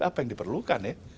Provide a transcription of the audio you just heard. apa yang diperlukan ya